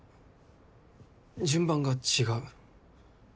順番が違う。